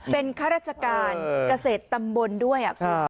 เป็นข้าราชการเกษตรตำบลด้วยคุณ